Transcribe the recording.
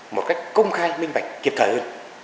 một cách công khai minh bạch kiệp thải hơn